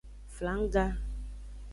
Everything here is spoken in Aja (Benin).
Flangga.